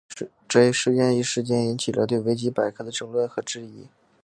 这一事件一时间引起了对维基百科的争论和质疑。